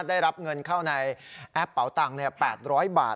ได้รับเงินเข้าในแอปเป๋าตังค์๘๐๐บาท